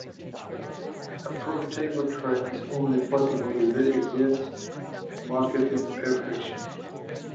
A profitable trade is only possible if there exist market imperfections.